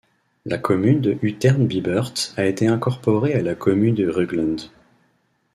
La commune de Unternbibert a été incorporée à la commune de Rügland.